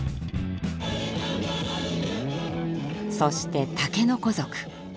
そして竹の子族。